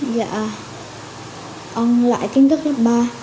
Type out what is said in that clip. dạ online kinh tức lớp ba